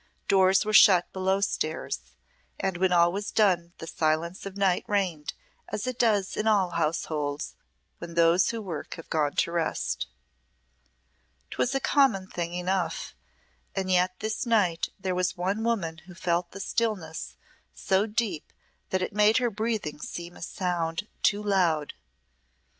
Doors were shut below stairs, and when all was done the silence of night reigned as it does in all households when those who work have gone to rest. 'Twas a common thing enough, and yet this night there was one woman who felt the stillness so deep that it made her breathing seem a sound too loud.